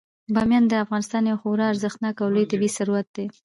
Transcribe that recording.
بامیان د افغانستان یو خورا ارزښتناک او لوی طبعي ثروت دی.